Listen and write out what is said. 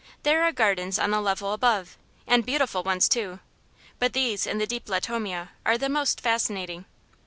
There are gardens on the level above, and beautiful ones, too; but these in the deep latomia are the most fascinating.